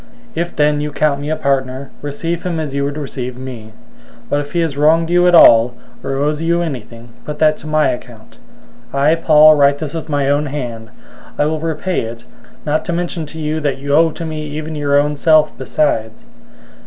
001:017 If then you count me a partner, receive him as you would receive me. 001:018 But if he has wronged you at all, or owes you anything, put that to my account. 001:019 I, Paul, write this with my own hand: I will repay it (not to mention to you that you owe to me even your own self besides).